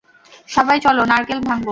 সবাই, চলো, নারকেল ভাঙ্গবো।